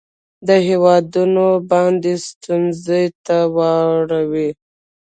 د هیواد نه باندې ستونځو ته واړوي